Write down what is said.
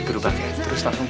jangan lupa bang